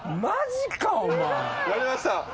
やりました。